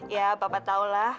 ya bapak taulah